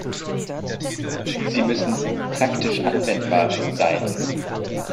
Sie müssen "praktisch anwendbar" sein.